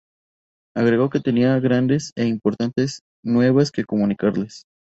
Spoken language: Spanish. Agregó que tenía grandes e importantes nuevas que comunicarles.